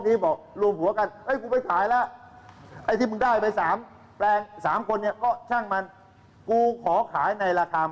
เห็นภาพไหมคะ